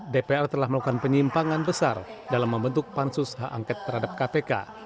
dpr telah melakukan penyimpangan besar dalam membentuk pansus hak angket terhadap kpk